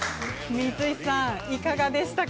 光石さん、いかがでしたか？